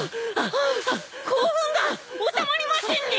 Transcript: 興奮が収まりませんね！